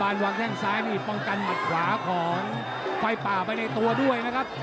วางแข้งซ้ายนี่ป้องกันหมัดขวาของไฟป่าไปในตัวด้วยนะครับ